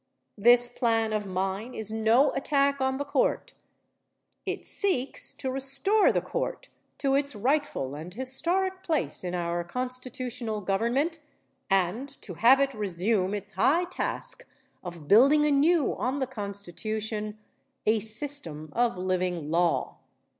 This plan of mine is no attack on the Court; it seeks to restore the Court to its rightful and historic place in our constitutional government and to have it resume its high task of building anew on the Constitution "a system of living law."